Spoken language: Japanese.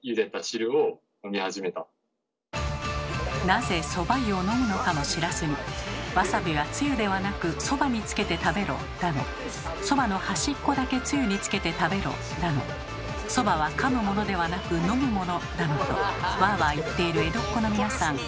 なぜそば湯を飲むのかも知らずに「わさびはつゆではなくそばにつけて食べろ」だの「そばの端っこだけつゆにつけて食べろ」だの「そばはかむものではなく飲むもの」だのとワーワー言っている江戸っ子の皆さん。